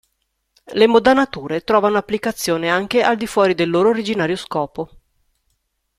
Le modanature trovano applicazione anche al di fuori del loro originario scopo.